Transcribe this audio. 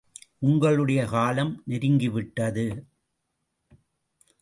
உங்களுடைய காலம் நெருங்கிவிட்டது.